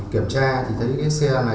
kiểm tra thì thấy cái xe này